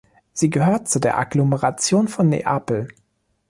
Sie gehört zu der Agglomeration von Neapel.